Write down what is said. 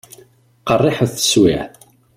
Qerriḥet teswiεt.